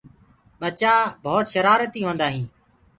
ٻچآ ڀوت شرآرتي هوندآ هينٚ۔